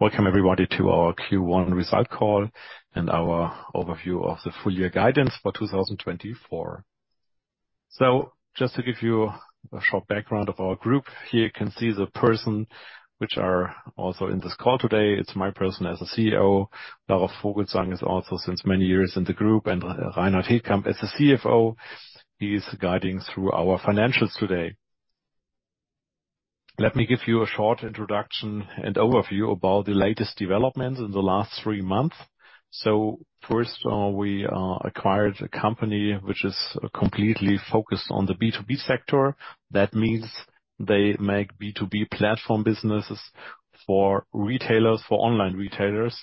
Welcome everybody to our Q1 result call and our overview of the full year guidance for 2024. Just to give you a short background of our group, here you can see the person which are also in this call today. It's my person as a CEO. Laura Vogelsang is also since many years in the group, and Reinhard Hetkamp as the CFO. He's guiding through our financials today. Let me give you a short introduction and overview about the latest developments in the last three months. First, we acquired a company which is completely focused on the B2B sector. That means they make B2B platform businesses for retailers, for online retailers,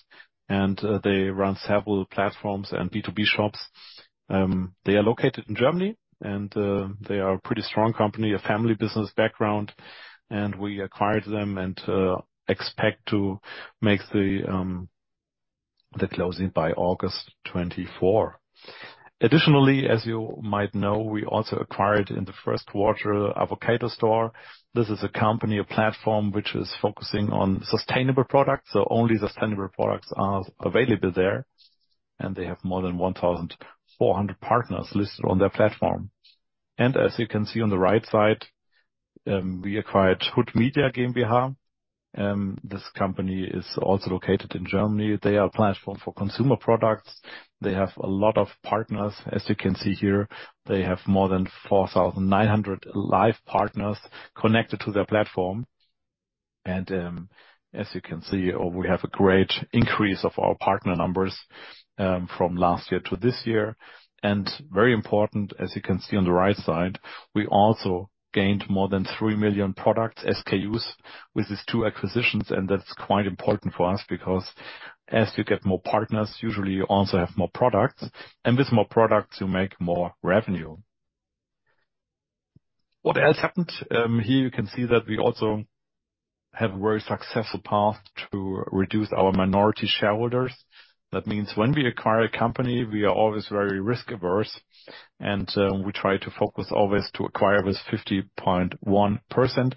and they run several platforms and B2B shops. They are located in Germany, and they are a pretty strong company, a family business background, and we acquired them and expect to make the closing by August 2024. Additionally, as you might know, we also acquired in the Q1 Avocadostore. This is a company, a platform, which is focusing on sustainable products, so only sustainable products are available there, and they have more than 1,400 partners listed on their platform. And as you can see on the right side, we acquired Hood Media GmbH. This company is also located in Germany. They are a platform for consumer products. They have a lot of partners. As you can see here, they have more than 4,900 live partners connected to their platform. As you can see, oh, we have a great increase of our partner numbers, from last year to this year. And very important, as you can see on the right side, we also gained more than 3 million products, SKUs, with these two acquisitions, and that's quite important for us because as you get more partners, usually you also have more products, and with more products, you make more revenue. What else happened? Here you can see that we also have a very successful path to reduce our minority shareholders. That means when we acquire a company, we are always very risk-averse, and we try to focus always to acquire with 50.1%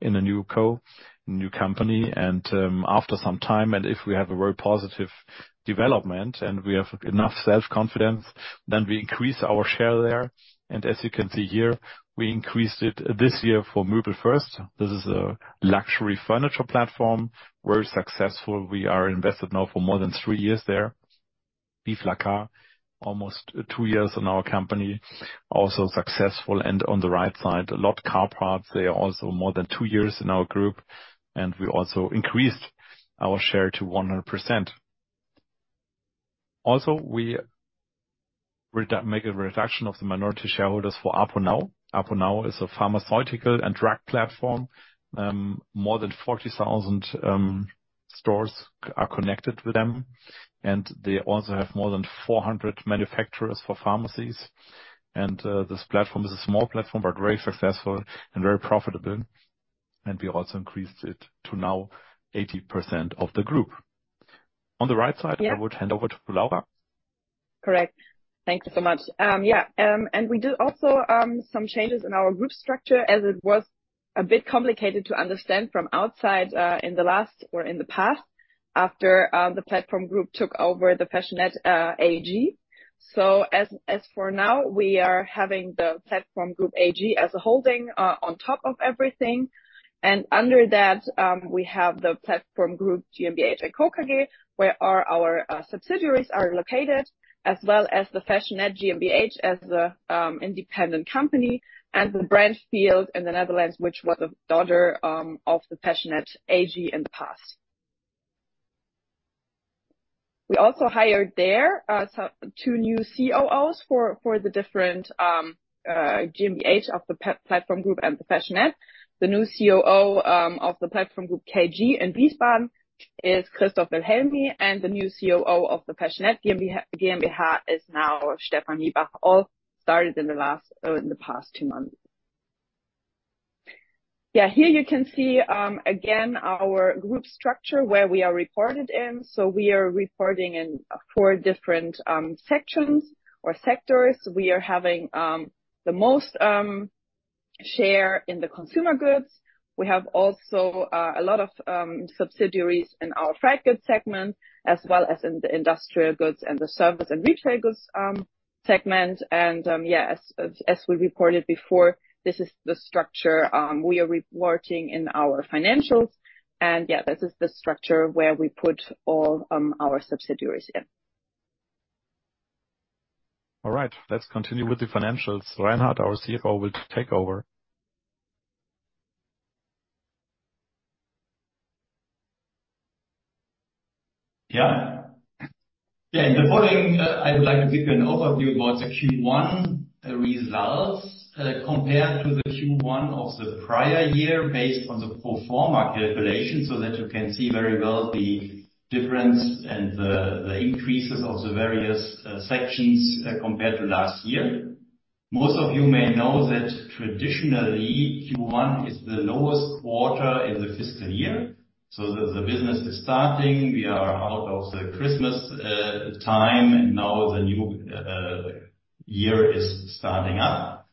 in a new co, new company, and after some time, and if we have a very positive development and we have enough self-confidence, then we increase our share there. And as you can see here, we increased it this year for MöbelFirst. This is a luxury furniture platform, very successful. We are invested now for more than three years there. ViveLaCar, almost two years in our company, also successful. And on the right side, Lott Autoteile, they are also more than two years in our group, and we also increased our share to 100%. Also, we made a reduction of the minority shareholders for Aponow. Aponow is a pharmaceutical and drug platform. More than 40,000 stores are connected with them, and they also have more than 400 manufacturers for pharmacies. And this platform is a small platform, but very successful and very profitable. And we also increased it to now 80% of the group. On the right side, I would hand over to Laura. Correct. Thank you so much. Yeah, and we did also some changes in our group structure as it was a bit complicated to understand from outside, in the last or in the past after The Platform Group took over the Fashionette AG. So as for now, we are having the Platform Group AG as a holding on top of everything. And under that, we have the Platform Group GmbH and Co. KG, where all our subsidiaries are located, as well as the Fashionette GmbH as an independent company and the Brandfield in the Netherlands, which was a daughter of the Fashionette AG in the past. We also hired there, so two new COOs for the different GmbH of the Platform Group and the Fashionette. The new COO of The Platform Group KG in Wiesbaden is Christoph Wilhelmy, and the new COO of the Fashionette GmbH is now Stephanie Bach; all started in the last, in the past two months. Yeah, here you can see again our group structure where we are reported in. So we are reporting in four different sections or sectors. We are having the most share in the consumer goods. We have also a lot of subsidiaries in our Automotive segment, as well as in the industrial goods and the service and retail goods segment. Yeah, as we reported before, this is the structure we are reporting in our financials. Yeah, this is the structure where we put all our subsidiaries in. All right. Let's continue with the financials. Reinhard, our CFO, will take over. Yeah. Yeah, in the following I would like to give you an overview about the Q1 results, compared to the Q1 of the prior year based on the proforma calculation so that you can see very well the difference and the increases of the various sections, compared to last year. Most of you may know that traditionally Q1 is the lowest quarter in the fiscal year. So the business is starting. We are out of the Christmas time, and now the new year is starting up.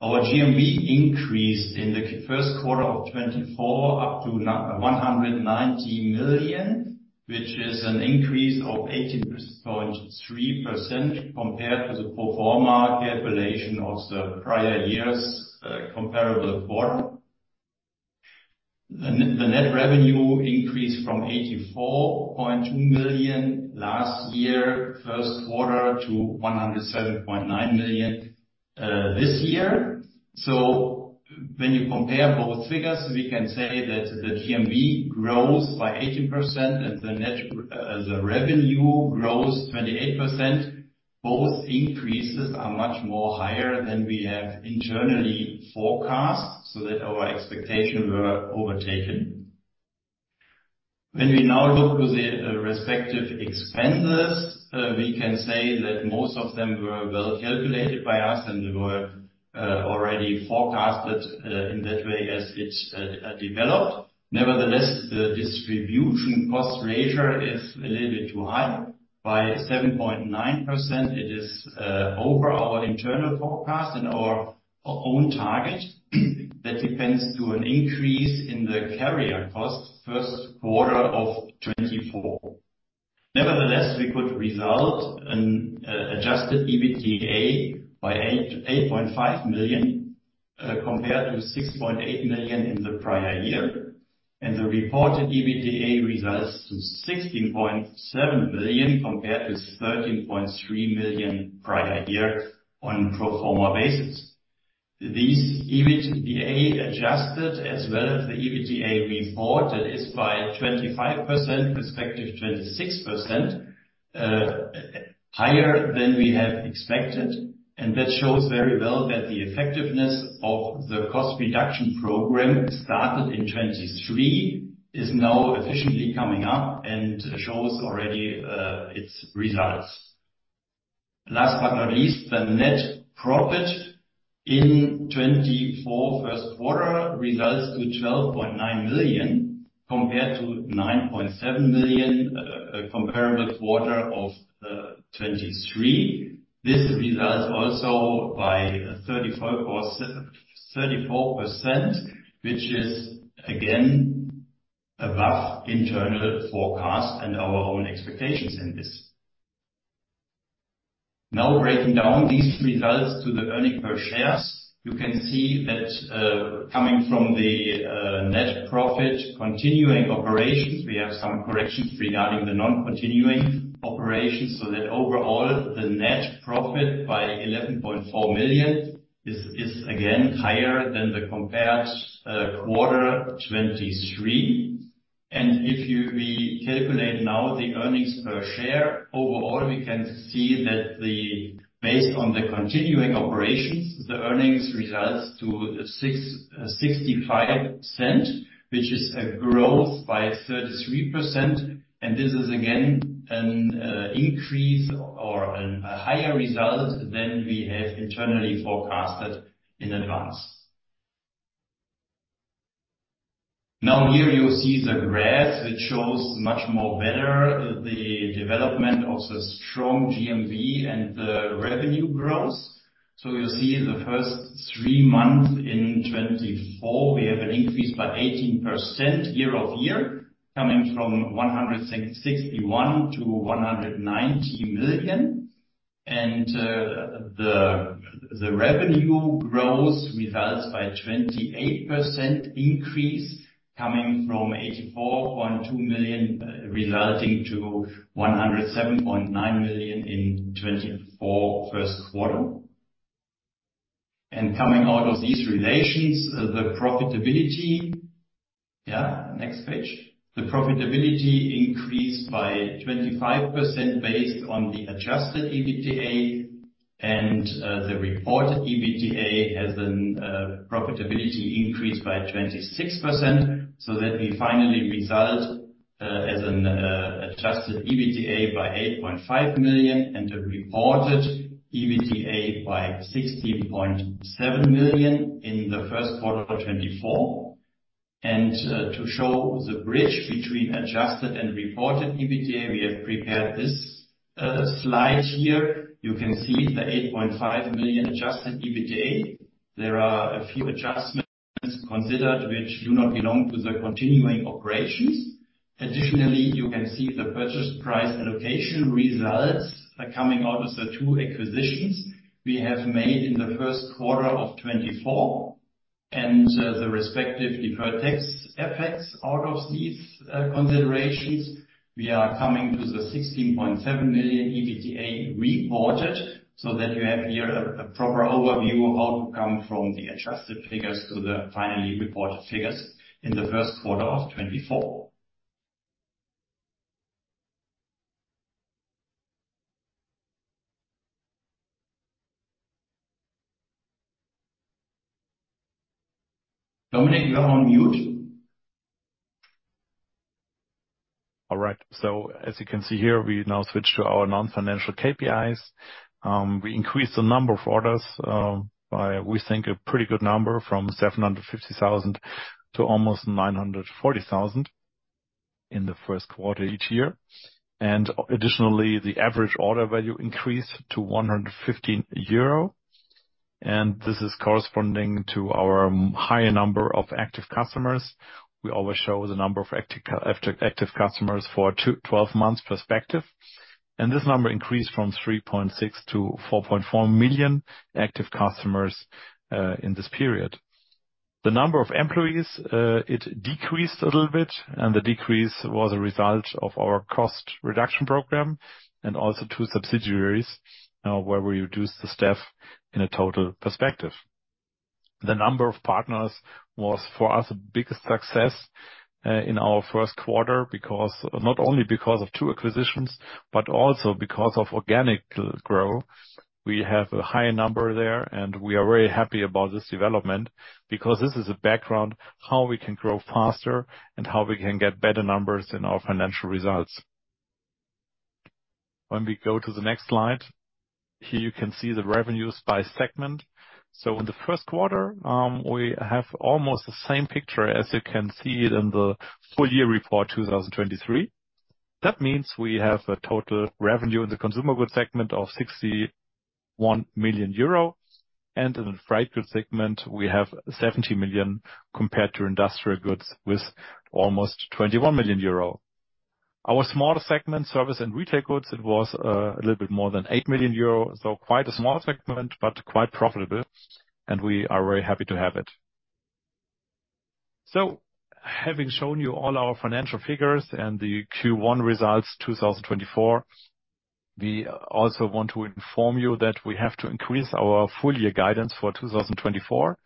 Our GMV increased in the Q1 of 2024 up to 190 million, which is an increase of 18.3% compared to the proforma calculation of the prior year's comparable quarter. The net revenue increased from 84.2 million last year's Q1, to 107.9 million, this year. So when you compare both figures, we can say that the GMV grows by 18% and the net, the revenue grows 28%. Both increases are much more higher than we have internally forecast so that our expectations were overtaken. When we now look to the, respective expenses, we can say that most of them were well calculated by us and they were, already forecasted, in that way as it, developed. Nevertheless, the distribution cost ratio is a little bit too high. By 7.9%, it is, over our internal forecast and our own target. That depends to an increase in the carrier cost Q1 of 2024. Nevertheless, we could result in, adjusted EBITDA by 8.8 million, compared to 6.8 million in the prior year. And the reported EBITDA resulted in 16.7 million compared to 13.3 million prior year on pro forma basis. These EBITDA adjusted as well as the EBITDA reported, that is by 25%, respective 26%, higher than we have expected. And that shows very well that the effectiveness of the cost reduction program started in 2023 is now efficiently coming up and shows already its results. Last but not least, the net profit in 2024 Q1 resulted in 12.9 million compared to 9.7 million, comparable quarter of 2023. This resulted also by 34% or 34%, which is again above internal forecast and our own expectations in this. Now breaking down these results to the earnings per share, you can see that, coming from the net profit continuing operations, we have some corrections regarding the non-continuing operations so that overall the net profit by 11.4 million is again higher than the comparable quarter 2023. And if we calculate now the earnings per share, overall we can see that based on the continuing operations, the earnings results to 0.66 EUR, which is a growth by 33%. And this is again an increase or a higher result than we have internally forecasted in advance. Now here you see the graph which shows much more better the development of the strong GMV and the revenue growth. So you see the first three months in 2024, we have an increase by 18% year-over-year, coming from EUR 161 million-EUR 190 million. The revenue growth results by 28% increase coming from 84.2 million, resulting to 107.9 million in 2024 Q1. Coming out of these relations, the profitability yeah, next page. The profitability increased by 25% based on the adjusted EBITDA. The reported EBITDA has profitability increase by 26% so that we finally result, as an, adjusted EBITDA by 8.5 million and a reported EBITDA by 16.7 million in the Q1 of 2024. To show the bridge between adjusted and reported EBITDA, we have prepared this slide here. You can see the 8.5 million adjusted EBITDA. There are a few adjustments considered which do not belong to the continuing operations. Additionally, you can see the purchase price allocation results, coming out of the two acquisitions we have made in the Q1 of 2024. And, the respective deferred tax effects out of these considerations. We are coming to the 16.7 million EBITDA reported so that you have here a proper overview of how to come from the adjusted figures to the finally reported figures in the Q1 of 2024. Dominik, you're on mute. All right. So as you can see here, we now switch to our non-financial KPIs. We increased the number of orders by we think a pretty good number from 750,000 to almost 940,000 in the Q1 each year. And additionally, the average order value increased to 115 euro. And this is corresponding to our higher number of active customers. We always show the number of active customers for two twelve months perspective. And this number increased from 3.6 to 4.4 million active customers in this period. The number of employees, it decreased a little bit, and the decrease was a result of our cost reduction program and also two subsidiaries, where we reduced the staff in a total perspective. The number of partners was for us the biggest success in our Q1 because not only because of 2 acquisitions, but also because of organic growth. We have a higher number there, and we are very happy about this development because this is a background how we can grow faster and how we can get better numbers in our financial results. When we go to the next slide, here you can see the revenues by segment. So in the Q1, we have almost the same picture as you can see it in the full year report 2023. That means we have a total revenue in the consumer goods segment of 61 million euro. And in the frag goods segment, we have 70 million compared to industrial goods with almost 21 million euro. Our smaller segment, service and retail goods, it was a little bit more than 8 million euro. So quite a small segment, but quite profitable. And we are very happy to have it. So having shown you all our financial figures and the Q1 results 2024, we also want to inform you that we have to increase our full-year guidance for 2024.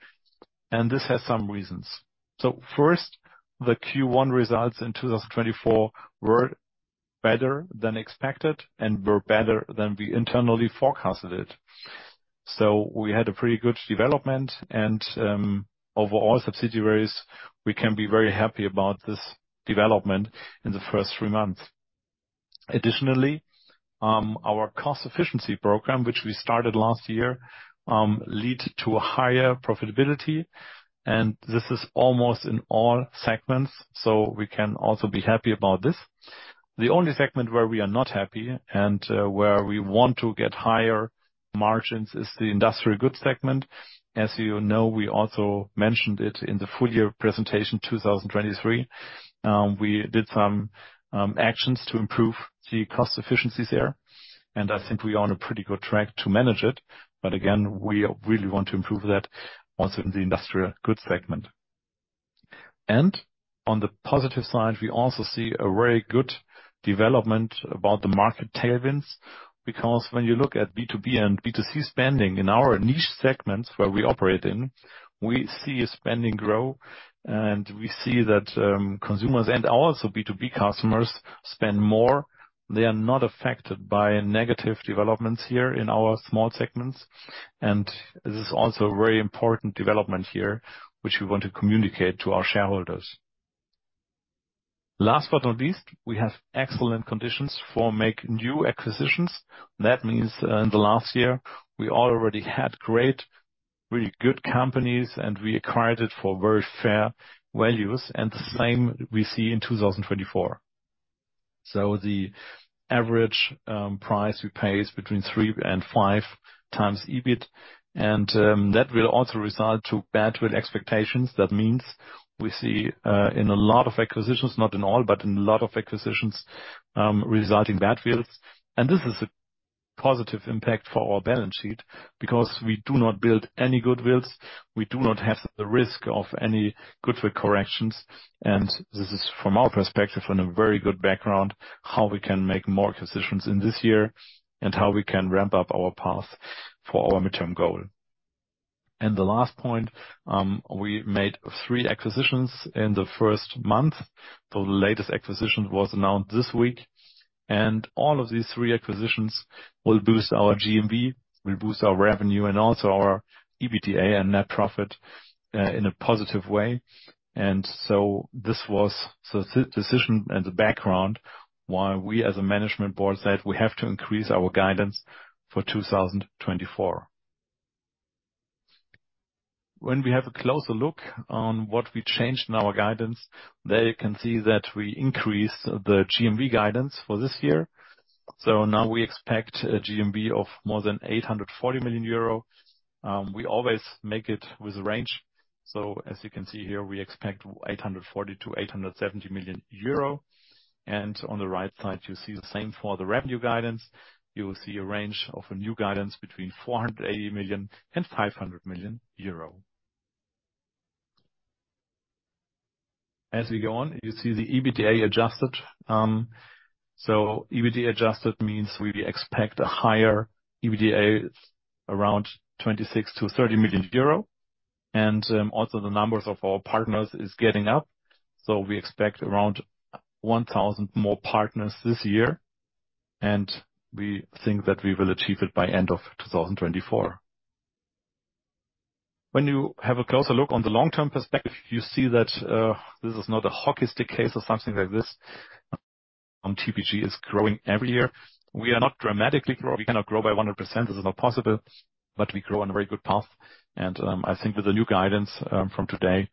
And this has some reasons. So first, the Q1 results in 2024 were better than expected and were better than we internally forecasted it. So we had a pretty good development and, overall subsidiaries, we can be very happy about this development in the first three months. Additionally, our Cost Efficiency Program, which we started last year, led to higher profitability. And this is almost in all segments, so we can also be happy about this. The only segment where we are not happy and where we want to get higher margins is the industrial goods segment. As you know, we also mentioned it in the full year presentation 2023. We did some actions to improve the cost efficiencies there. And I think we are on a pretty good track to manage it. But again, we really want to improve that also in the industrial goods segment. And on the positive side, we also see a very good development about the market tailwinds because when you look at B2B and B2C spending in our niche segments where we operate in, we see spending grow. And we see that consumers and also B2B customers spend more. They are not affected by negative developments here in our small segments. And this is also a very important development here, which we want to communicate to our shareholders. Last but not least, we have excellent conditions for making new acquisitions. That means, in the last year, we already had great, really good companies, and we acquired it for very fair values. The same we see in 2024. So the average price we pay is between three and five times EBIT. That will also result to badwill expectations. That means we see, in a lot of acquisitions not in all, but in a lot of acquisitions, resulting badwills. And this is a positive impact for our balance sheet because we do not build any goodwills. We do not have the risk of any goodwill corrections. And this is from our perspective a very good background how we can make more acquisitions in this year and how we can ramp up our path for our midterm goal. The last point, we made three acquisitions in the first month. The latest acquisition was announced this week. All of these three acquisitions will boost our GMV, will boost our revenue, and also our EBITDA and net profit, in a positive way. This was the decision and the background why we as a management board said we have to increase our guidance for 2024. When we have a closer look on what we changed in our guidance, there you can see that we increased the GMV guidance for this year. Now we expect a GMV of more than 840 million euro. We always make it with a range. As you can see here, we expect 840 million-870 million euro. On the right side, you see the same for the revenue guidance. You will see a range of a new guidance between 480 million and 500 million euro. As we go on, you see the EBITDA adjusted. So EBITDA adjusted means we expect a higher EBITDA around 26 million-30 million euro. And also the numbers of our partners is getting up. So we expect around 1,000 more partners this year. And we think that we will achieve it by end of 2024. When you have a closer look on the long-term perspective, you see that, this is not a hockey stick case or something like this. TPG is growing every year. We are not dramatically growing. We cannot grow by 100%. This is not possible. But we grow on a very good path. And I think with the new guidance, from today,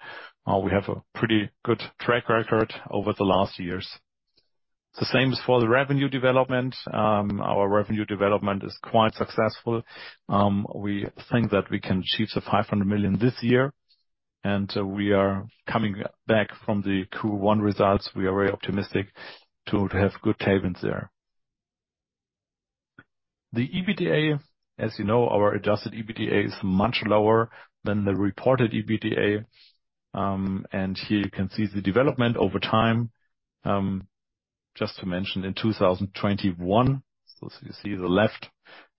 we have a pretty good track record over the last years. The same is for the revenue development. Our revenue development is quite successful. We think that we can achieve 500 million this year. We are coming back from the Q1 results. We are very optimistic to have good tailwinds there. The EBITDA, as you know, our adjusted EBITDA is much lower than the reported EBITDA. And here you can see the development over time. Just to mention in 2021. You see the left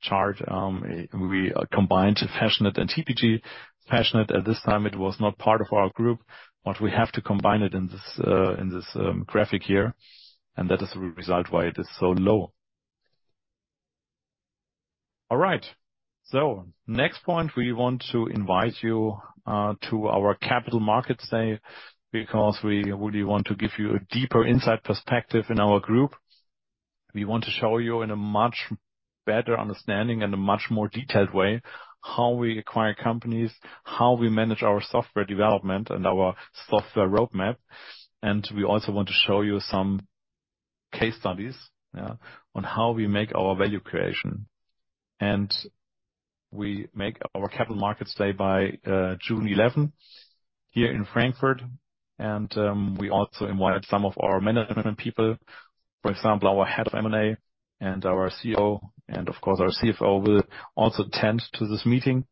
chart, we combined fashionette and TPG. fashionette at this time, it was not part of our group, but we have to combine it in this graphic here. That is the result why it is so low. All right. Next point, we want to invite you to our Capital Markets Day because we really want to give you a deeper insight perspective in our group. We want to show you in a much better understanding and a much more detailed way how we acquire companies, how we manage our software development and our software roadmap. We also want to show you some case studies, yeah, on how we make our value creation. We make our Capital Markets Day on June 11 here in Frankfurt. We also invite some of our management people, for example, our head of M&A and our CEO, and of course our CFO will also attend to this meeting.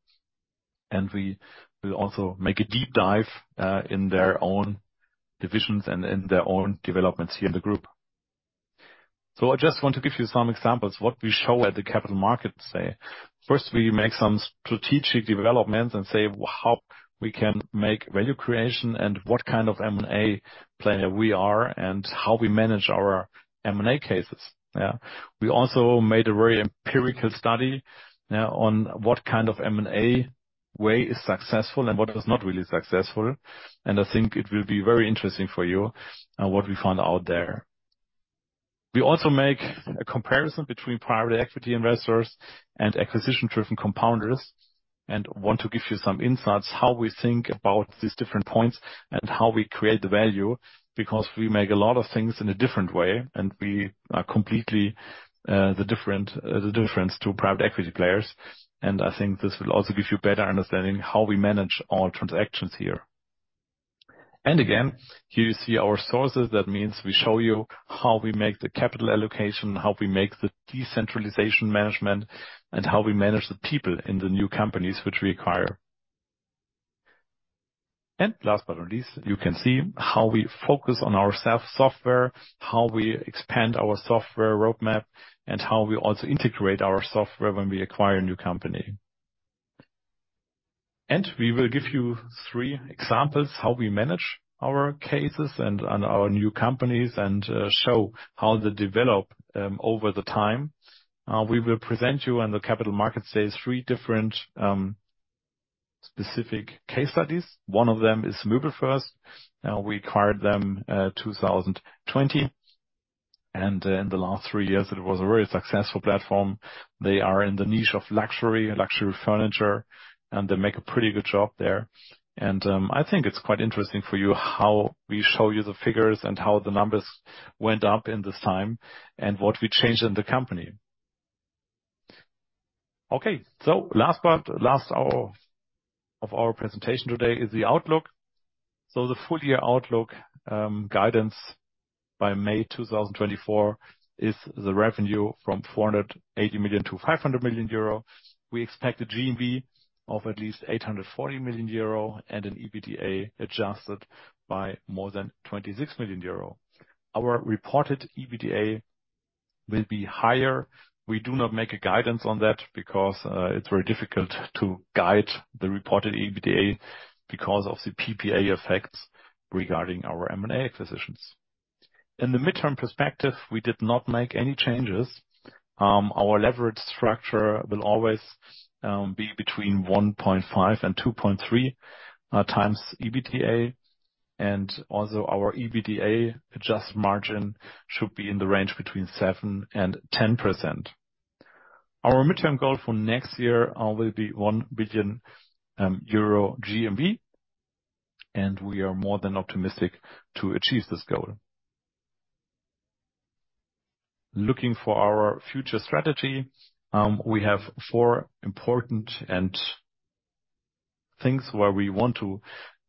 We will also make a deep dive in their own divisions and in their own developments here in the group. I just want to give you some examples of what we show at the Capital Markets Day. First, we make some strategic developments and say how we can make value creation and what kind of M&A player we are and how we manage our M&A cases. Yeah. We also made a very empirical study, yeah, on what kind of M&A way is successful and what is not really successful. And I think it will be very interesting for you, what we found out there. We also make a comparison between private equity investors and acquisition-driven compounders and want to give you some insights how we think about these different points and how we create the value because we make a lot of things in a different way, and we are completely, the different, the difference to private equity players. And I think this will also give you a better understanding how we manage all transactions here. And again, here you see our sources. That means we show you how we make the capital allocation, how we make the decentralization management, and how we manage the people in the new companies which we acquire. And last but not least, you can see how we focus on our self software, how we expand our software roadmap, and how we also integrate our software when we acquire a new company. And we will give you three examples of how we manage our cases and on our new companies and show how they develop over the time. We will present you in the Capital Markets Day three different, specific case studies. One of them is MöbelFirst. We acquired them, 2020. And in the last three years, it was a very successful platform. They are in the niche of luxury, luxury furniture, and they make a pretty good job there. I think it's quite interesting for you how we show you the figures and how the numbers went up in this time and what we changed in the company. Okay. Last part, last hour of our presentation today is the outlook. The full year outlook, guidance by May 2024 is the revenue from 480 million to 500 million euro. We expect a GMV of at least 840 million euro and an EBITDA adjusted by more than 26 million euro. Our reported EBITDA will be higher. We do not make a guidance on that because it's very difficult to guide the reported EBITDA because of the PPA effects regarding our M&A acquisitions. In the midterm perspective, we did not make any changes. Our leverage structure will always be between 1.5 and 2.3 times EBITDA. Also our EBITDA adjusted margin should be in the range between 7%-10%. Our midterm goal for next year will be 1 billion euro GMV. We are more than optimistic to achieve this goal. Looking for our future strategy, we have four important things where we want to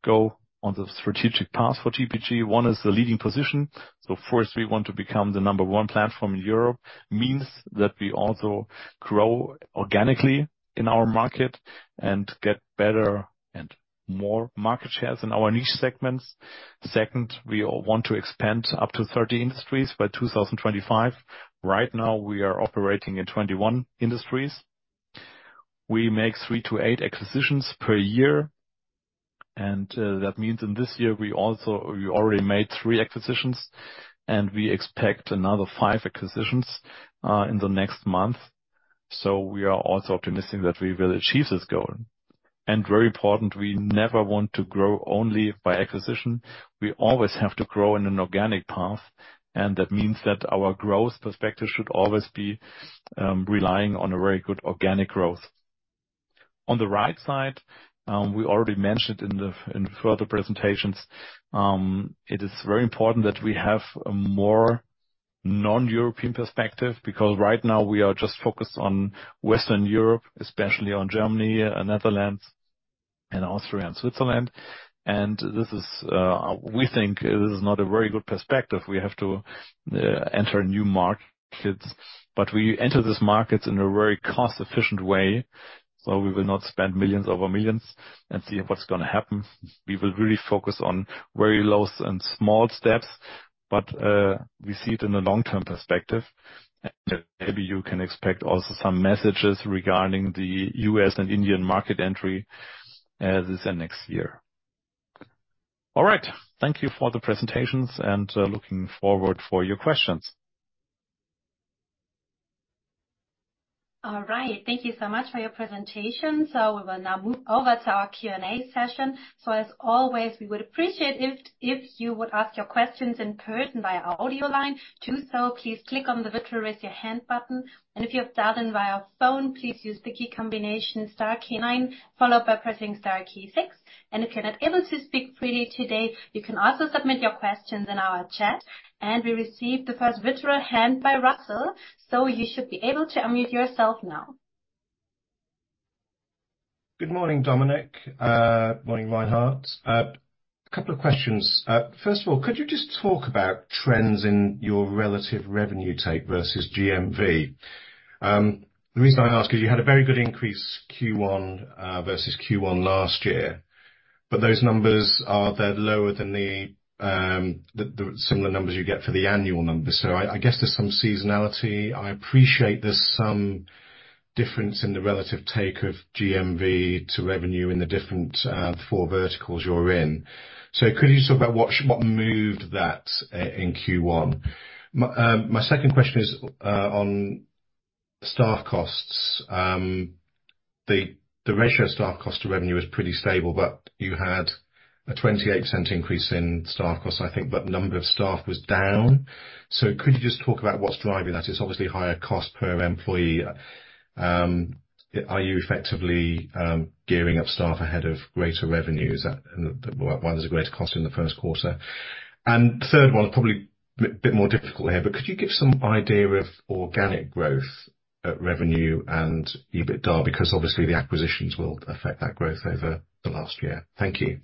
go on the strategic path for TPG. One is the leading position. So first, we want to become the number one platform in Europe. Means that we also grow organically in our market and get better and more market shares in our niche segments. Second, we all want to expand up to 30 industries by 2025. Right now, we are operating in 21 industries. We make 3-8 acquisitions per year. That means in this year, we also already made 3 acquisitions, and we expect another 5 acquisitions in the next month. So we are also optimistic that we will achieve this goal. And very important, we never want to grow only by acquisition. We always have to grow in an organic path. And that means that our growth perspective should always be, relying on a very good organic growth. On the right side, we already mentioned in the further presentations, it is very important that we have a more non-European perspective because right now we are just focused on Western Europe, especially on Germany, the Netherlands, and Austria and Switzerland. And this is, we think this is not a very good perspective. We have to enter new markets. But we enter these markets in a very cost efficient way. So we will not spend millions over millions and see what's gonna happen. We will really focus on very low and small steps. But we see it in the long-term perspective. Maybe you can expect also some messages regarding the U.S. and Indian market entry, this and next year. All right. Thank you for the presentations and, looking forward for your questions. All right. Thank you so much for your presentation. We will now move over to our Q&A session. As always, we would appreciate if you would ask your questions in person via audio line. To do so, please click on the "virtual raise hand" button. And if you have done it via phone, please use the key combination *9 followed by pressing *6. And if you're not able to speak freely today, you can also submit your questions in our chat. And we received the first "virtual" hand by Russell. So you should be able to unmute yourself now. Good morning, Dominik. Morning, Reinhard. A couple of questions. First of all, could you just talk about trends in your relative revenue take versus GMV? The reason I ask is you had a very good increase Q1, versus Q1 last year. But those numbers are they're lower than the similar numbers you get for the annual numbers. So I guess there's some seasonality. I appreciate there's some difference in the relative take of GMV to revenue in the different four verticals you're in. So could you talk about what moved that in Q1? My second question is on staff costs. The ratio of staff cost to revenue is pretty stable, but you had a 28% increase in staff costs, I think, but number of staff was down. So could you just talk about what's driving that? It's obviously higher cost per employee. Are you effectively gearing up staff ahead of greater revenue? Is that one of the greater costs in the Q1? And the third one is probably a bit more difficult here, but could you give some idea of organic growth at revenue and EBITDA because obviously the acquisitions will affect that growth over the last year? Thank you.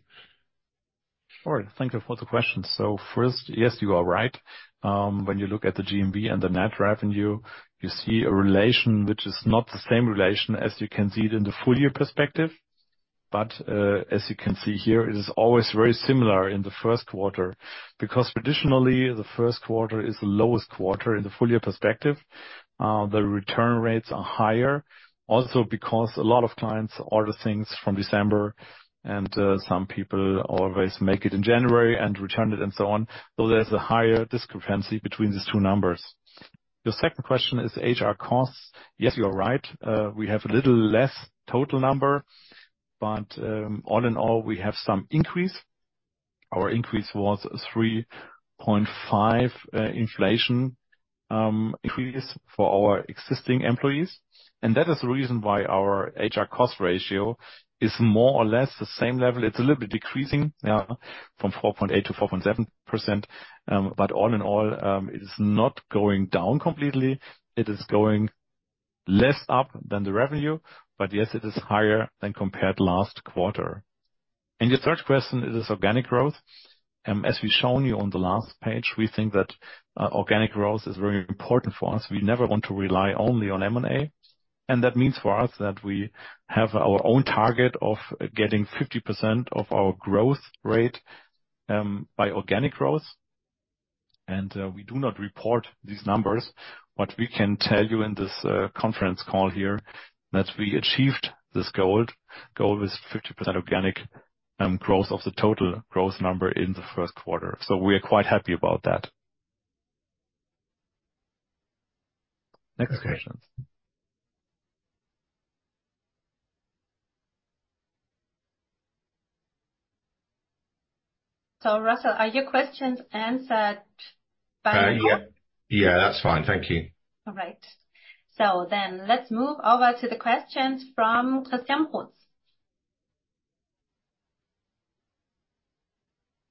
Sure. Thank you for the question. So first, yes, you are right. When you look at the GMV and the net revenue, you see a relation which is not the same relation as you can see it in the full year perspective. But, as you can see here, it is always very similar in the Q1 because traditionally the Q1 is the lowest quarter in the full year perspective. The return rates are higher also because a lot of clients order things from December and some people always make it in January and return it and so on. So there's a higher discrepancy between these two numbers. Your second question is HR costs. Yes, you are right. We have a little less total number, but, all in all, we have some increase. Our increase was 3.5, inflation, increase for our existing employees. And that is the reason why our HR cost ratio is more or less the same level. It's a little bit decreasing, yeah, from 4.8%-4.7%. But all in all, it is not going down completely. It is going less up than the revenue, but yes, it is higher than compared last quarter. And your third question, it is organic growth. As we've shown you on the last page, we think that organic growth is very important for us. We never want to rely only on M&A. And that means for us that we have our own target of getting 50% of our growth rate by organic growth. And we do not report these numbers, but we can tell you in this conference call here that we achieved this goal. Goal is 50% organic growth of the total growth number in the Q1. So we are quite happy about that. Next questions. So Russell, are your questions answered by? Yeah. Yeah, that's fine. Thank you. All right. So then let's move over to the questions from Christian Hutz.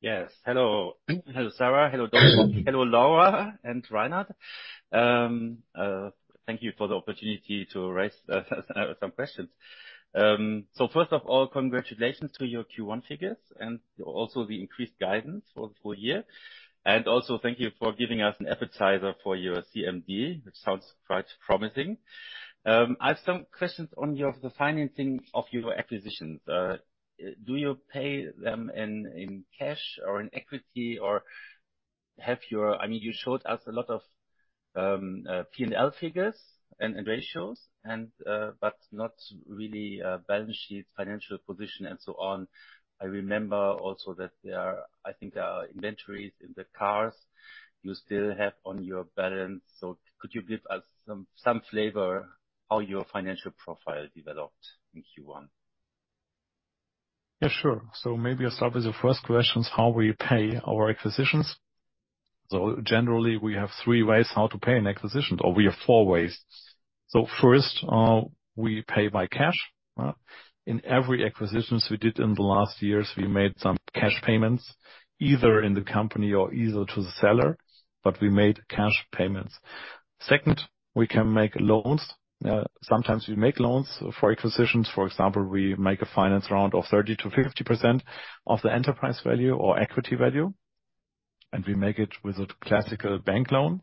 Yes. Hello. Hello, Sarah. Hello, Dominik. Hello, Laura and Reinhard. Thank you for the opportunity to raise some questions. So first of all, congratulations to your Q1 figures and also the increased guidance for the full year. And also thank you for giving us an appetizer for your CMD, which sounds quite promising. I have some questions on the financing of your acquisitions. Do you pay them in cash or in equity, or have you—I mean, you showed us a lot of P&L figures and ratios and, but not really balance sheet, financial position and so on. I remember also that there are—I think there are—inventories in the cars you still have on your balance. So could you give us some flavor of how your financial profile developed in Q1? Yeah, sure. So maybe I'll start with the first question: how we pay our acquisitions. So generally, we have three ways how to pay an acquisition, or we have four ways. So first, we pay by cash. In every acquisition we did in the last years, we made some cash payments either in the company or to the seller, but we made cash payments. Second, we can make loans. Sometimes we make loans for acquisitions. For example, we make a finance round of 30%-50% of the enterprise value or equity value. And we make it with a classical bank loan.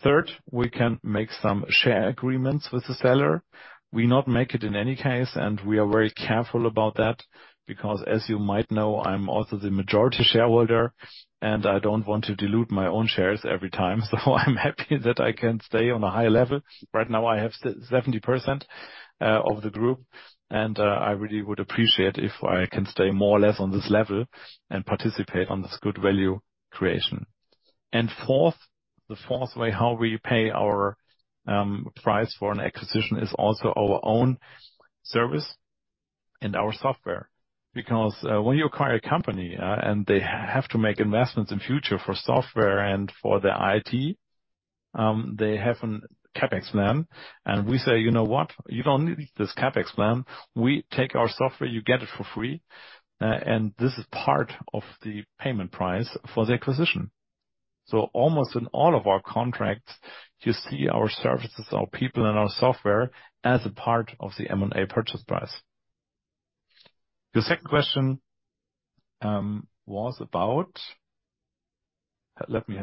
Third, we can make some share agreements with the seller. We not make it in any case, and we are very careful about that because as you might know, I'm also the majority shareholder and I don't want to dilute my own shares every time. So I'm happy that I can stay on a high level. Right now, I have 70% of the group. And, I really would appreciate if I can stay more or less on this level and participate on this good value creation. Fourth, the fourth way how we pay our price for an acquisition is also our own service and our software because when you acquire a company and they have to make investments in future for software and for their IT, they have a CapEx plan. We say, you know what? You don't need this CapEx plan. We take our software. You get it for free. And this is part of the payment price for the acquisition. So almost in all of our contracts, you see our services, our people, and our software as a part of the M&A purchase price. Your second question was about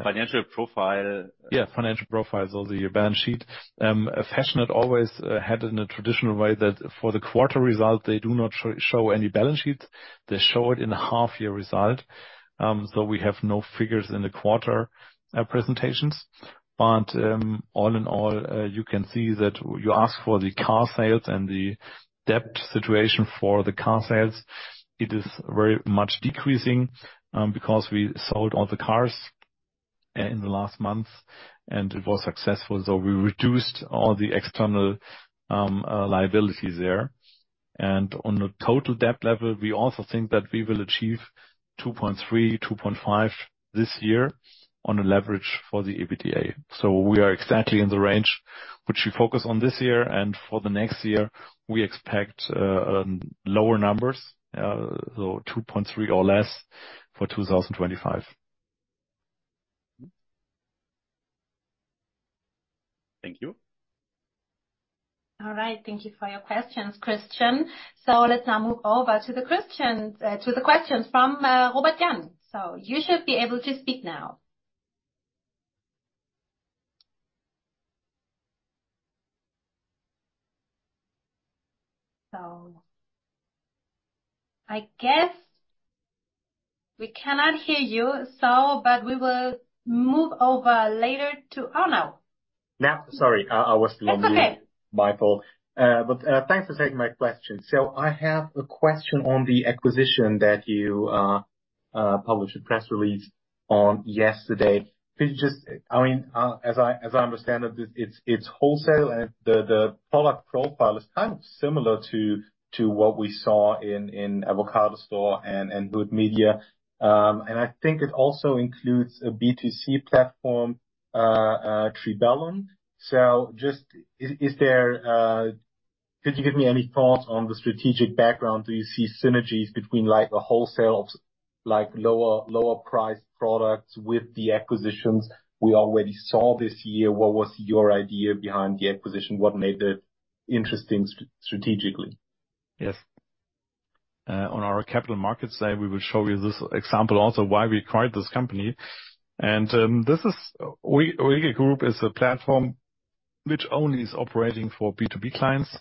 financial profile. Yeah, financial profile. So the balance sheet, fashionette always had it in a traditional way that for the quarter result, they do not show any balance sheets. They show it in a half year result. We have no figures in the quarter presentations. But all in all, you can see that you asked for the car sales and the debt situation for the car sales. It is very much decreasing, because we sold all the cars in the last months and it was successful. So we reduced all the external liabilities there. And on the total debt level, we also think that we will achieve 2.3-2.5 this year on a leverage for the EBITDA. So we are exactly in the range which we focus on this year. And for the next year, we expect lower numbers, yeah, so 2.3 or less for 2025. Thank you. All right. Thank you for your questions, Christian. So let's now move over to the next to the questions from Robert-Jan. So you should be able to speak now. Thanks for taking my question. So I have a question on the acquisition that you published a press release on yesterday. Could you just—I mean, as I understand it, it's wholesale and the product profile is kind of similar to what we saw in Avocadostore and Hood Media. And I think it also includes a B2C platform, Toroleo. So just is there—could you give me any thoughts on the strategic background? Do you see synergies between like a wholesale of like lower priced products with the acquisitions we already saw this year? What was your idea behind the acquisition? What made it interesting strategically? Yes. On our capital markets side, we will show you this example also why we acquired this company. And, this is Oligo Group is a platform which only is operating for B2B clients.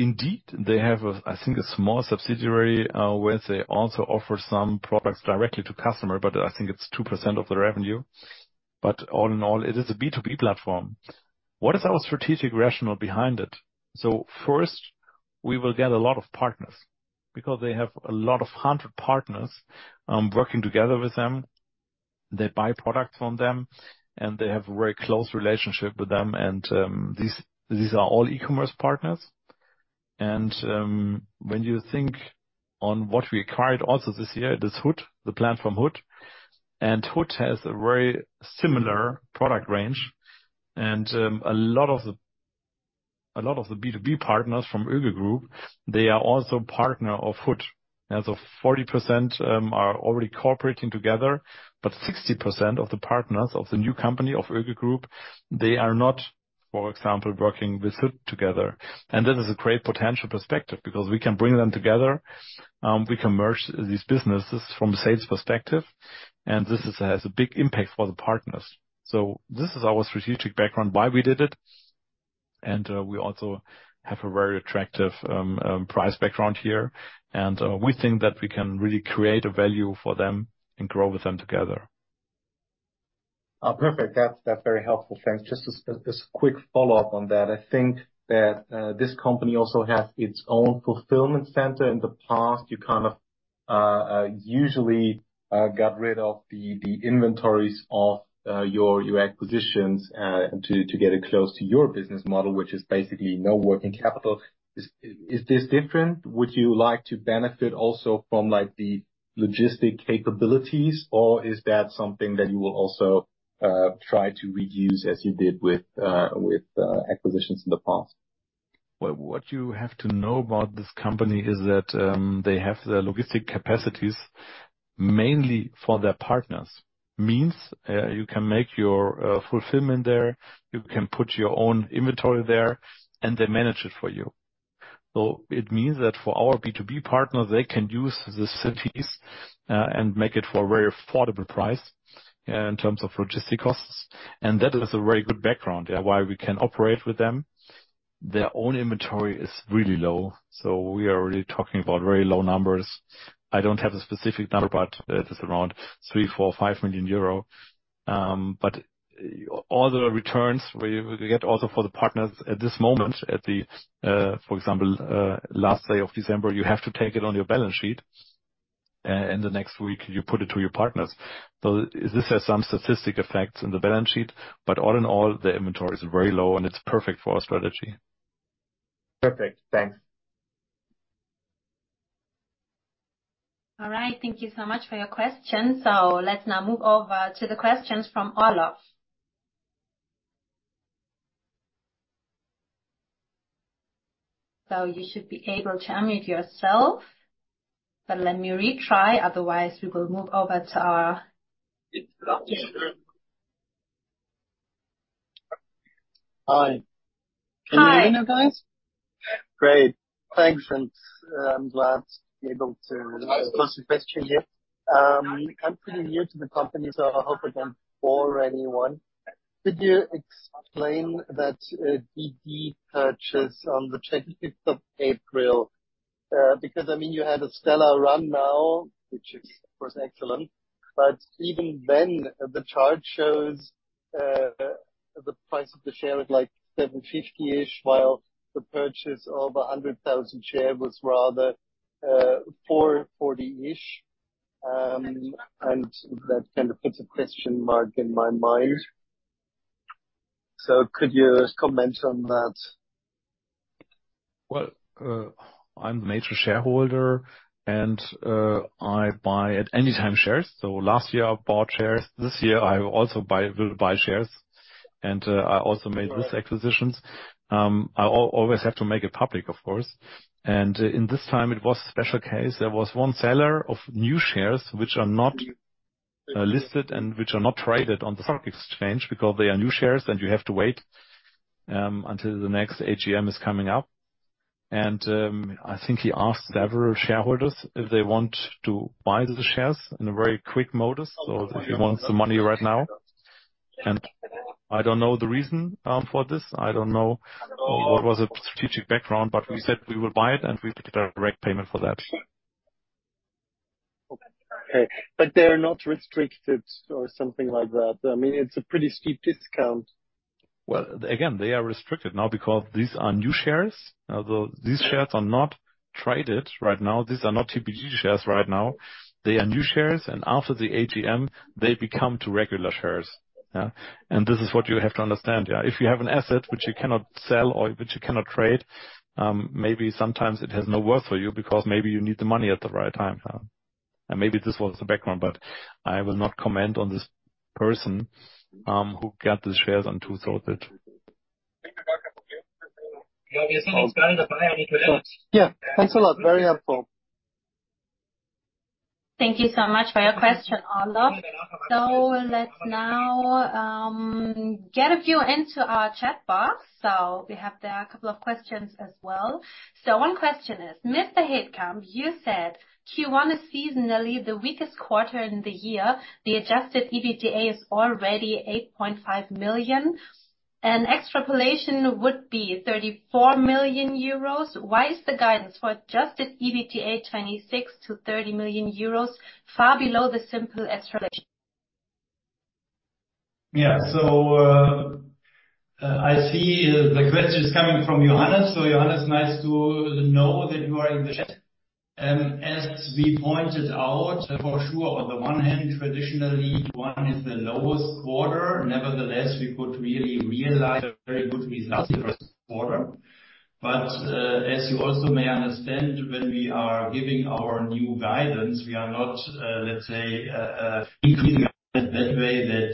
Indeed, they have a I think a small subsidiary, where they also offer some products directly to customer, but I think it's 2% of the revenue. But all in all, it is a B2B platform. What is our strategic rationale behind it? So first, we will get a lot of partners because they have a lot of hundred partners, working together with them. They buy products from them and they have a very close relationship with them. And, these are all e-commerce partners. And, when you think on what we acquired also this year, it is Hood, the platform Hood. And Hood has a very similar product range. A lot of the B2B partners from Oligo Group, they are also partner of Hood. Yeah, so 40%, are already cooperating together, but 60% of the partners of the new company of Oligo Group, they are not, for example, working with Hood together. And this is a great potential perspective because we can bring them together. We can merge these businesses from a sales perspective. And this has a big impact for the partners. So this is our strategic background why we did it. And, we also have a very attractive, price background here. And, we think that we can really create a value for them and grow with them together. Oh, perfect. That's very helpful. Thanks. Just a quick follow-up on that. I think that, this company also has its own fulfillment center in the past. You kind of usually got rid of the inventories of your acquisitions to get it close to your business model, which is basically no working capital. Is this different? Would you like to benefit also from like the logistics capabilities or is that something that you will also try to reuse as you did with acquisitions in the past? Well, what you have to know about this company is that they have their logistics capacities mainly for their partners. Means, you can make your fulfillment there. You can put your own inventory there and they manage it for you. So it means that for our B2B partner, they can use the facilities and make it for a very affordable price in terms of logistics costs. And that is a very good background, yeah, why we can operate with them. Their own inventory is really low. So we are already talking about very low numbers. I don't have a specific number, but it is around 3, 4, 5 million. But all the returns we get also for the partners at this moment at the, for example, last day of December, you have to take it on your balance sheet. And the next week you put it to your partners. So this has some statistical effects in the balance sheet, but all in all, the inventory is very low and it's perfect for our strategy. Perfect. Thanks. All right. Thank you so much for your questions. So let's now move over to the questions from Olaf. So you should be able to unmute yourself. But let me retry. Otherwise, we will move over to our. It's lovely. Hi. Can you hear me, you guys? Hi. Great. Thanks. I'm glad to be able to pose a question here. I'm pretty new to the company. So I hope I don't bore anyone. Could you explain that DD purchase on the 25th of April? Because I mean, you had a stellar run now, which is, of course, excellent. But even then, the chart shows, the price of the share is like 7.50-ish while the purchase of a hundred thousand share was rather, 4.40-ish. And that kind of puts a question mark in my mind. So could you comment on that? Well, I'm the major shareholder and, I buy at any time shares. So last year I bought shares. This year I also buy will buy shares. And, I also made these acquisitions. I always have to make it public, of course. And in this time, it was a special case. There was one seller of new shares, which are not listed and which are not traded on the stock exchange because they are new shares and you have to wait until the next AGM is coming up. I think he asked several shareholders if they want to buy the shares in a very quick modus. So if he wants the money right now. I don't know the reason for this. I don't know what was the strategic background, but we said we will buy it and we took a direct payment for that. Okay. But they are not restricted or something like that. I mean, it's a pretty steep discount. Well, again, they are restricted now because these are new shares. Although these shares are not traded right now. These are not TPG shares right now. They are new shares. And after the AGM, they become to regular shares. Yeah. And this is what you have to understand. Yeah. If you have an asset, which you cannot sell or which you cannot trade, maybe sometimes it has no worth for you because maybe you need the money at the right time. Yeah. And maybe this was the background, but I will not comment on this person, who got the shares and who sold it. Yeah, there's something exciting to buy. I need to let it. Yeah. Thanks a lot. Very helpful. Thank you so much for your question, Olaf. So let's now get a view into our chat box. So we have there a couple of questions as well. So one question is, Mr. Hetkamp, you said Q1 is seasonally the weakest quarter in the year. The adjusted EBITDA is already 8.5 million. Extrapolation would be 34 million euros. Why is the guidance for adjusted EBITDA 26 million-30 million euros far below the simple extrapolation? Yeah. So, I see the question is coming from Johannes. So Johannes, nice to know that you are in the chat. As we pointed out, for sure, on the one hand, traditionally, Q1 is the lowest quarter. Nevertheless, we could really realize a very good result in the Q1. But, as you also may understand, when we are giving our new guidance, we are not, let's say, increasing it that way that,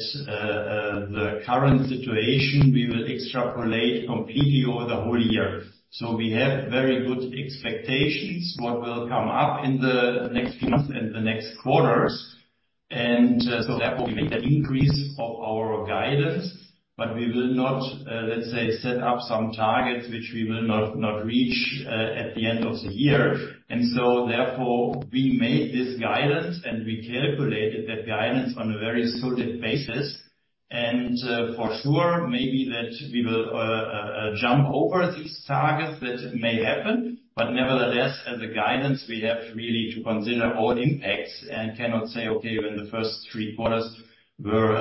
the current situation, we will extrapolate completely over the whole year. So we have very good expectations what will come up in the next few months and the next quarters. So therefore we made that increase of our guidance, but we will not, let's say, set up some targets which we will not not reach, at the end of the year. So therefore we made this guidance and we calculated that guidance on a very solid basis. For sure, maybe that we will jump over these targets that may happen. But nevertheless, as a guidance, we have really to consider all impacts and cannot say, okay, when the first Q3 were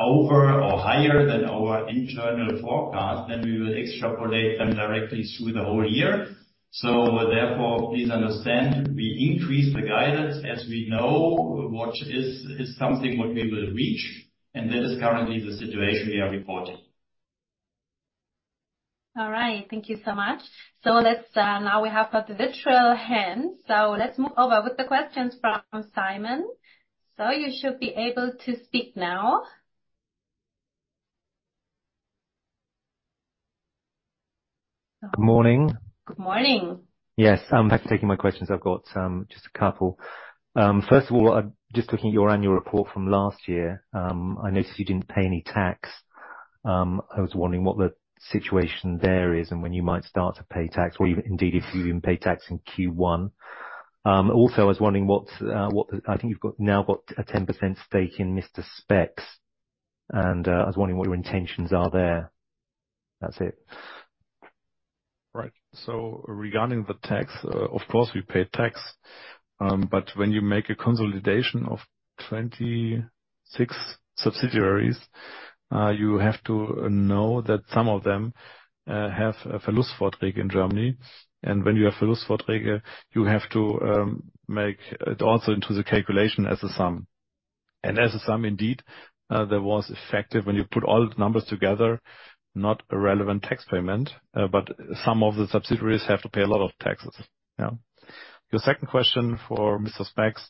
over or higher than our internal forecast, then we will extrapolate them directly through the whole year. So therefore, please understand we increase the guidance as we know what is is something what we will reach. That is currently the situation we are reporting. All right. Thank you so much. Let's now we have got the virtual hands. So let's move over with the questions from Simon. So you should be able to speak now. Good morning. Good morning. Yes. I'm back to taking my questions. I've got, just a couple. First of all, I'm just looking at your annual report from last year. I noticed you didn't pay any tax. I was wondering what the situation there is and when you might start to pay tax or even indeed if you even pay tax in Q1. Also, I was wondering what, what the I think you've got now got a 10% stake in Mister Spex. And, I was wondering what your intentions are there. That's it. Right. So regarding the tax, of course, we pay tax. But when you make a consolidation of 26 subsidiaries, you have to know that some of them, have a Verlustvorträge in Germany. And when you have Verlustvorträge, you have to make it also into the calculation as a sum. And as a sum, indeed, there was effective when you put all the numbers together, not a relevant tax payment, but some of the subsidiaries have to pay a lot of taxes. Yeah. Your second question for Mister Spex,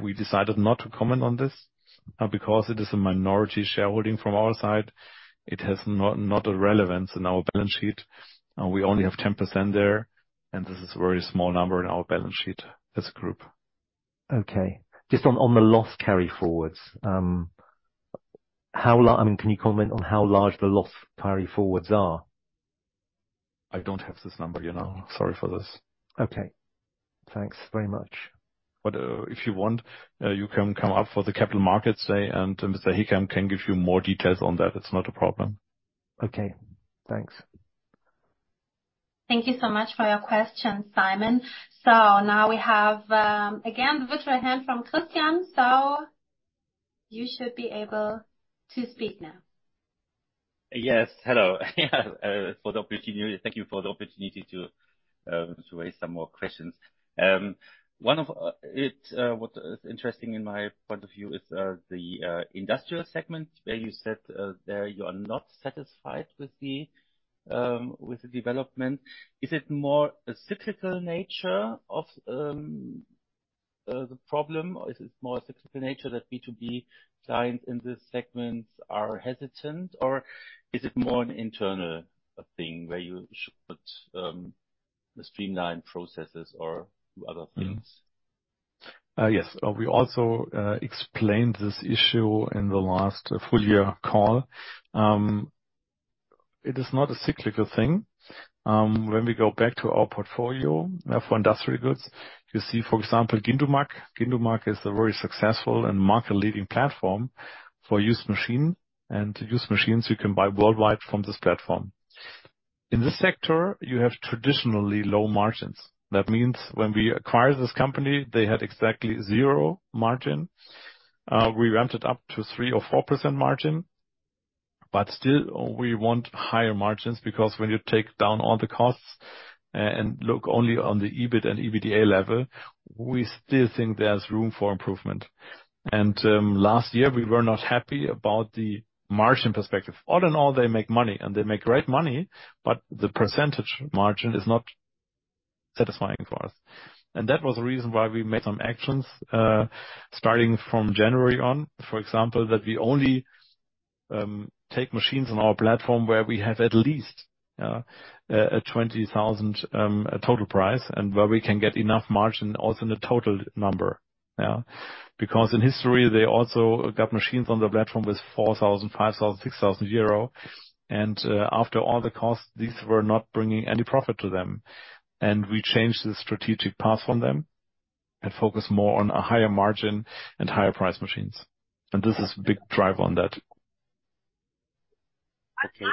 we decided not to comment on this, because it is a minority shareholding from our side. It has not not a relevance in our balance sheet. We only have 10% there. And this is a very small number in our balance sheet as a group. Okay. Just on the loss carry forwards, how large I mean, can you comment on how large the loss carry forwards are? I don't have this number, you know. Sorry for this. Okay. Thanks very much. But if you want, you can come up for the capital markets day and Mr. Hetkamp can give you more details on that. It's not a problem. Okay. Thanks. Thank you so much for your question, Simon. So now we have, again, the virtual hand from Christian. So you should be able to speak now. Yes. Hello. Yeah. For the opportunity, thank you for the opportunity to raise some more questions. One of it, what is interesting in my point of view is the industrial segment where you said there you are not satisfied with the development. Is it more a cyclical nature of the problem or is it more a cyclical nature that B2B clients in this segment are hesitant or is it more an internal thing where you should streamline processes or other things? Yes. We also explained this issue in the last full year call. It is not a cyclical thing. When we go back to our portfolio, for industrial goods, you see, for example, Gindumac. Gindumac is a very successful and market-leading platform for used machine. And used machines, you can buy worldwide from this platform. In this sector, you have traditionally low margins. That means when we acquired this company, they had exactly zero margin. We ramped it up to 3% or 4% margin. But still, we want higher margins because when you take down all the costs, and look only on the EBIT and EBITDA level, we still think there's room for improvement. And last year, we were not happy about the margin perspective. All in all, they make money and they make great money, but the percentage margin is not satisfying for us. And that was the reason why we made some actions, starting from January on, for example, that we only take machines on our platform where we have at least, yeah, a 20,000 total price and where we can get enough margin also in a total number. Yeah. Because in history, they also got machines on the platform with 4,000, 5,000, 6,000 euro. And after all the costs, these were not bringing any profit to them. And we changed the strategic path from them and focused more on a higher margin and higher price machines. And this is a big drive on that. Okay.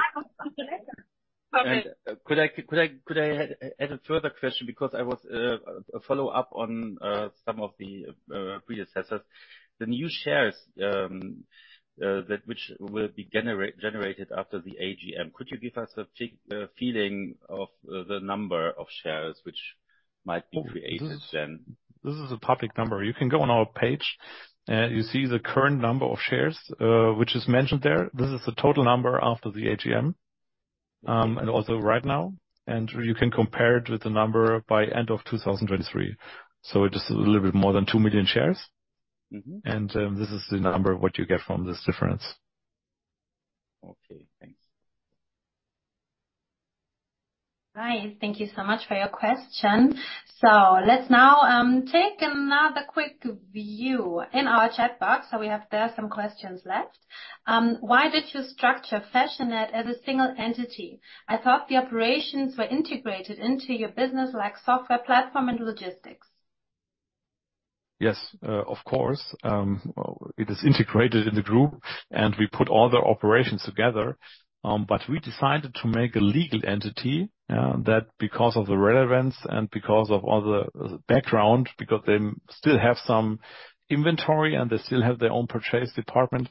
And could I add a further question because I was a follow-up on some of the predecessors. The new shares, that which will be generated after the AGM, could you give us a feeling of the number of shares which might be created then? This is a public number. You can go on our page. You see the current number of shares, which is mentioned there. This is the total number after the AGM, and also right now. You can compare it with the number by end of 2023. So it's just a little bit more than 2 million shares. Mm-hmm. And, this is the number what you get from this difference. Okay. Thanks. All right. Thank you so much for your question. So let's now take another quick view in our chat box. So we have there some questions left. Why did you structure fashionette as a single entity? I thought the operations were integrated into your business like software platform and logistics. Yes. Of course. It is integrated in the group and we put all the operations together. But we decided to make a legal entity, that because of the relevance and because of all the background, because they still have some inventory and they still have their own purchase department,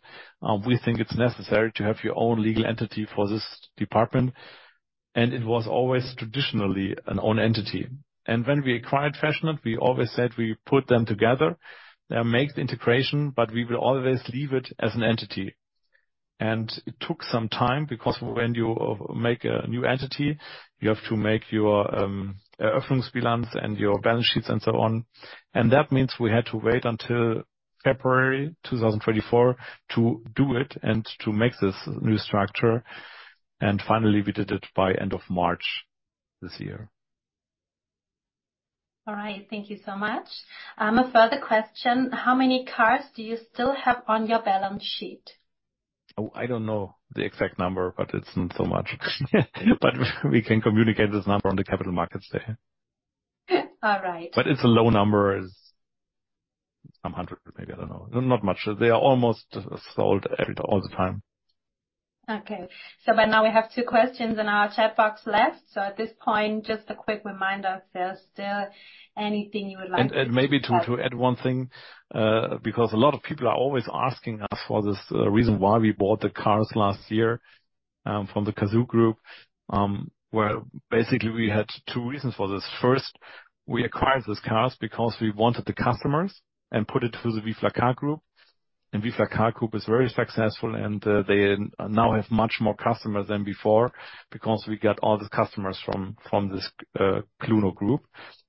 we think it's necessary to have your own legal entity for this department. And it was always traditionally an own entity. And when we acquired fashionette, we always said we put them together, make the integration, but we will always leave it as an entity. And it took some time because when you make a new entity, you have to make your opening balance and your balance sheets and so on. And that means we had to wait until February 2024 to do it and to make this new structure. Finally, we did it by end of March this year. All right. Thank you so much. A further question. How many cars do you still have on your balance sheet? Oh, I don't know the exact number, but it's not so much. We can communicate this number on the Capital Markets Day. All right. It's a low number. It's some hundred maybe. I don't know. Not much. They are almost sold all the time. Okay. By now we have two questions in our chat box left. At this point, just a quick reminder. Is there still anything you would like to add? Maybe to add one thing, because a lot of people are always asking us for this reason why we bought the cars last year, from the Cazoo Group, where basically we had two reasons for this. First, we acquired these cars because we wanted the customers and put it through the ViveLaCar Group. And ViveLaCar Group is very successful and, they now have much more customers than before because we got all these customers from this, Cluno Group.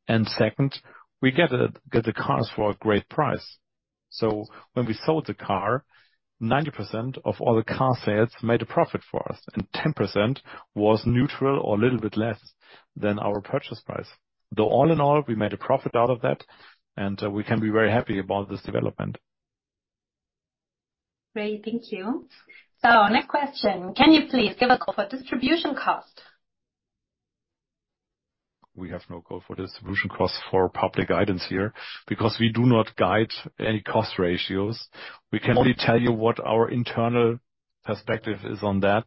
And second, we get the cars for a great price. So when we sold the car, 90% of all the car sales made a profit for us and 10% was neutral or a little bit less than our purchase price. Though all in all, we made a profit out of that and we can be very happy about this development. Great. Thank you. So next question. Can you please give guidance for distribution costs? We have no guidance for distribution costs for public guidance here because we do not guide any cost ratios. We can only tell you what our internal perspective is on that.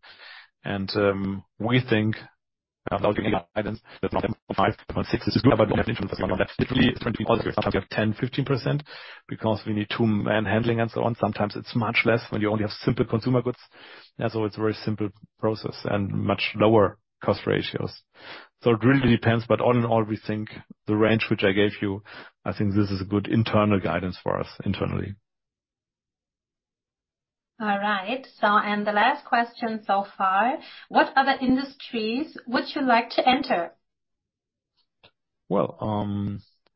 And we think without giving guidance that 9.5-9.6 is good, but we don't have an internal perspective on that. It's really, it's between all these cars. Sometimes you have 10-15% because we need two-man handling and so on. Sometimes it's much less when you only have simple consumer goods. Yeah. So it's a very simple process and much lower cost ratios. So it really depends. But all in all, we think the range which I gave you, I think this is a good internal guidance for us internally. All right. So, the last question so far. What other industries would you like to enter? Well,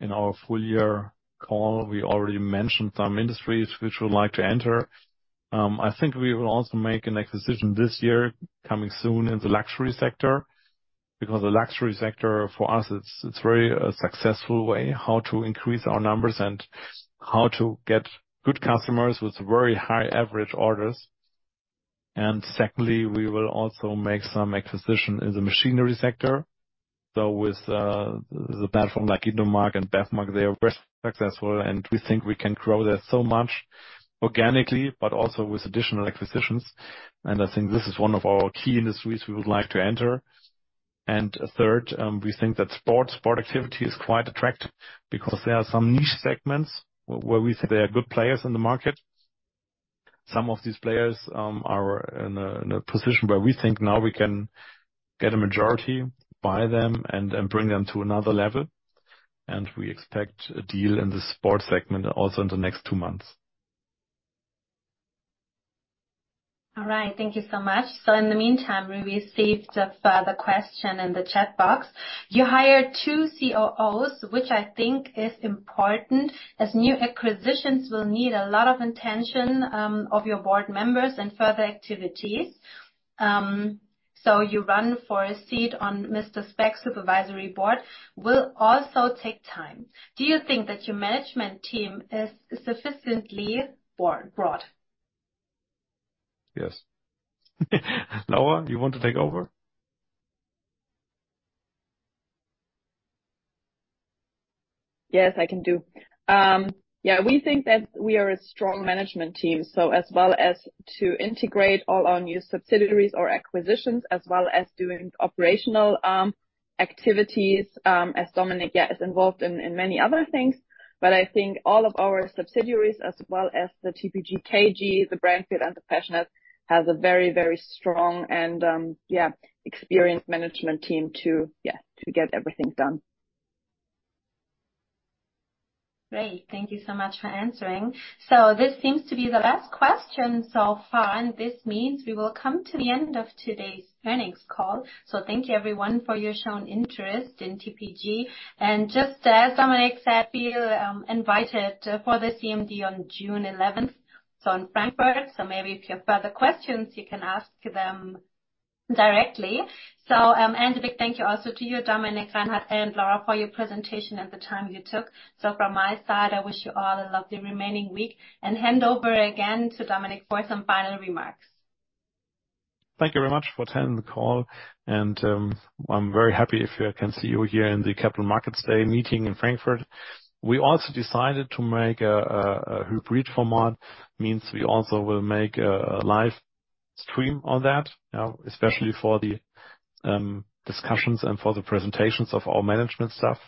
in our full year call, we already mentioned some industries which we would like to enter. I think we will also make an acquisition this year coming soon in the luxury sector because the luxury sector for us, it's a very successful way how to increase our numbers and how to get good customers with very high average orders. Secondly, we will also make some acquisition in the machinery sector. So with the platform like Gindumac and Bevmaq, they are very successful and we think we can grow there so much organically, but also with additional acquisitions. And I think this is one of our key industries we would like to enter. And third, we think that sport activity is quite attractive because there are some niche segments where we think they are good players in the market. Some of these players are in a position where we think now we can get a majority by them and bring them to another level. And we expect a deal in the sport segment also in the next two months. All right. Thank you so much. So in the meantime, we received a further question in the chat box. You hired two COOs, which I think is important as new acquisitions will need a lot of attention of your board members and further activities. So you run for a seat on Mister Spex's supervisory board will also take time. Do you think that your management team is sufficiently broad? Yes. Laura, you want to take over? Yes, I can do. Yeah, we think that we are a strong management team. So as well as to integrate all our new subsidiaries or acquisitions, as well as doing operational activities, as Dominik, yeah, is involved in in many other things. But I think all of our subsidiaries, as well as the TPG KG, the Brandfield, and the fashionette, has a very, very strong and, yeah, experienced management team to, yeah, to get everything done. Great. Thank you so much for answering. This seems to be the last question so far. And this means we will come to the end of today's earnings call. So thank you, everyone, for your shown interest in TPG. And just as Dominik said, we'll invite you for the CMD on June eleventh in Frankfurt. So maybe if you have further questions, you can ask them directly. So, and a big thank you also to you, Dominik, Reinhard, and Laura, for your presentation and the time you took. So from my side, I wish you all a lovely remaining week. And hand over again to Dominik for some final remarks. Thank you very much for attending the call. And, I'm very happy if I can see you here in the Capital Markets Day meeting in Frankfurt. We also decided to make a hybrid format. Means we also will make a live stream on that, yeah, especially for the discussions and for the presentations of our management staff.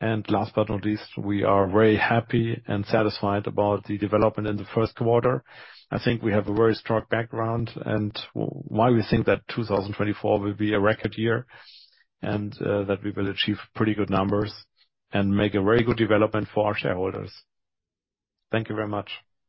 And last but not least, we are very happy and satisfied about the development in the Q1. I think we have a very strong background and why we think that 2024 will be a record year and that we will achieve pretty good numbers and make a very good development for our shareholders. Thank you very much.